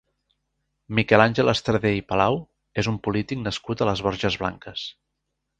Miquel Àngel Estradé i Palau és un polític nascut a les Borges Blanques.